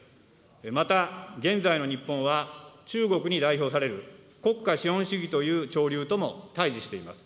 また現在の日本は、中国に代表される国家資本主義という潮流とも対じしています。